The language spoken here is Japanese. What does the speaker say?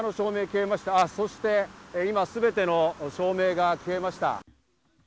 そして今、すべての照明が消えました。